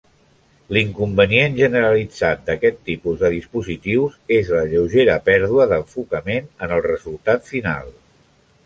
L'inconvenient generalitzat d'aquest tipus de dispositius és la lleugera pèrdua d'enfocament en el resultat final.